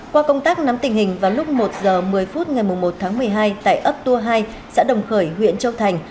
qua công tác nắm tình hình vào lúc một h một mươi phút ngày một tháng một mươi hai tại ấp tua hai xã đồng khởi huyện châu thành